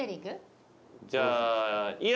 じゃあ。